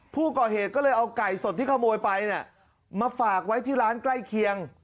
ผู้ก่อเหตุก็เลยเอาไก่สดที่ขโมยไปมาฝากไว้ที่ร้านใกล้เคียง